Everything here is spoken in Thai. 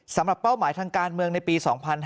สำหรับเป้าหมายทางการเมืองในปี๒๕๖๖